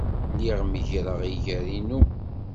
Lliɣ meggreɣ iger-inu.